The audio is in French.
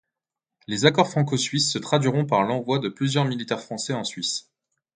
Les accords franco-suisses se traduiront par l’envoi de plusieurs militaires français en Suisse.